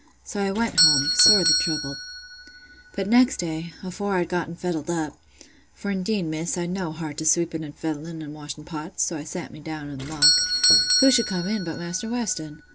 So I went home, sorely troubled. "But next day, afore I'd gotten fettled up—for indeed, Miss, I'd no heart to sweeping an' fettling, an' washing pots; so I sat me down i' th' muck—who should come in but Maister Weston!